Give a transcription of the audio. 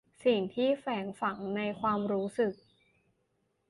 สิ่งที่แฝงฝังในความรู้สึก